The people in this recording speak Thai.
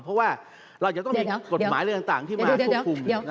เพราะว่าเราจะต้องมีกฎหมายอะไรต่างที่มาควบคุม